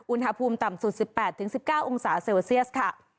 อุณหภูมิต่ำสุด๑๘๑๙องศาเซลเซียสค่ะ